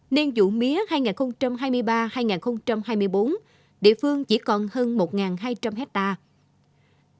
nên dụng mía hai nghìn hai mươi ba hai nghìn hai mươi bốn địa phương chỉ còn hơn một hai trăm linh hectare